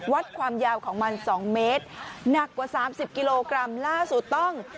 วัดความยาวของมัน๒เมตรหนักกว่า๓๐กิโลกรัมล่าสุดต้อง